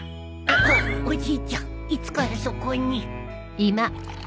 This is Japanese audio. おじいちゃんいつからそこに？